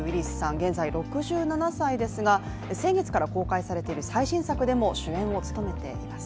現在６７歳ですが、先月から公開されている最新作でも主演を務めています。